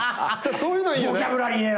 そういうのはいいよね。